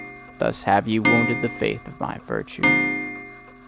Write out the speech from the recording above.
Thus have ye wounded the faith of my virtue.